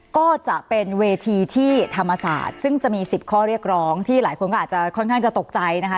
ก็จะเป็นเวทีที่ธรรมศาสตร์ซึ่งจะมี๑๐ข้อเรียกร้องที่หลายคนก็อาจจะค่อนข้างจะตกใจนะคะ